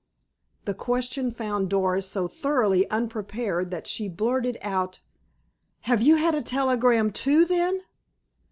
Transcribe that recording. The question found Doris so thoroughly unprepared that she blurted out: "Have you had a telegram, too, then?"